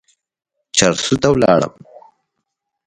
چارسو ته ولاړم.